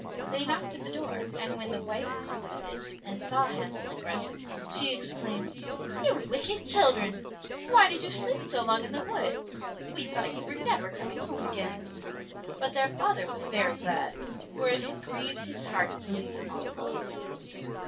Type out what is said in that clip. They knocked at the door, and when the wife opened it, and saw Hansel and Grethel, she exclaimed, "You wicked children! why did you sleep so long in the wood? We thought you were never coming home again." But their father was very glad, for it had grieved his heart to leave them all alone.